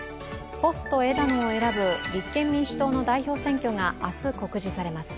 ポスト枝野を選ぶ立憲民主党の代表選挙が明日、告示されます。